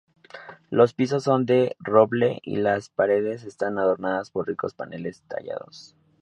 Los pisos son de roble, y las paredes están adornadas por ricos paneles tallados.